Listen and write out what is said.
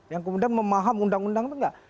yang kemudian memahami undang undang itu enggak